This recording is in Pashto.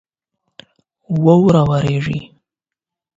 واوره وریږي